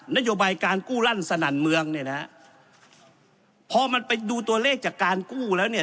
นโยบายการกู้ลั่นสนั่นเมืองเนี่ยนะฮะพอมันไปดูตัวเลขจากการกู้แล้วเนี่ย